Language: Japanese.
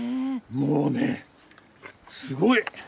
もうねすごい。